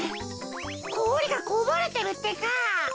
こおりがこぼれてるってか。